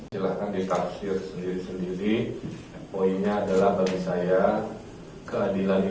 silakan dikasih sendiri sendiri poinnya